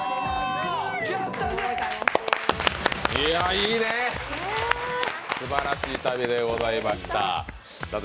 いいね、すばらしい旅でございました。